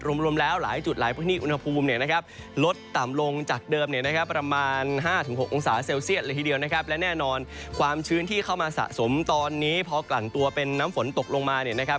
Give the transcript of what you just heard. รวมแล้วหลายจุดหลายพื้นที่คุณหภูมินะครับลดต่ำลงจากเดิมประมาณ๕๖องศาเซลเซียตละทีเดียวนะครับ